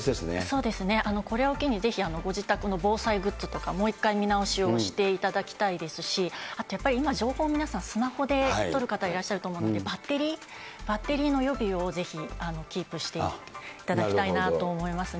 そうですね、これを機にぜひご自宅の防災グッズとか、もう一回見直しをしていただきたいですし、あとやっぱり今、情報、皆さん、スマホで撮る方、いらっしゃると思うので、バッテリー、バッテリーの予備をぜひキープしていただきたいなと思いますね。